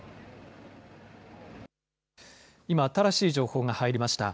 今、新しい情報が入りました。